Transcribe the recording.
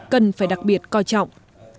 cần phải đặc biệt coi trọng